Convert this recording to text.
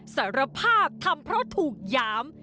สารภาพทำเพราะถูกหยาม